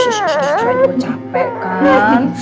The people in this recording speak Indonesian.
si isu isu juga capek kan